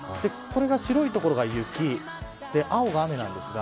白い所が雪青が雨です。